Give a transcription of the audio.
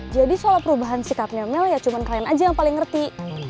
jadi soal perubahan sikapnya mel ya cuma kalian aja yang paling ngerti